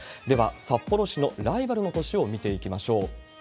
では、札幌市のライバルの都市を見ていきましょう。